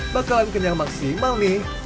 bakalan kenyang maksimal nih